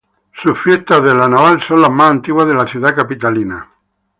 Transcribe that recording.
Sus fiestas de la Naval son las más antiguas de la ciudad capitalina.